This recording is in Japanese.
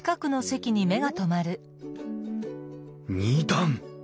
２段！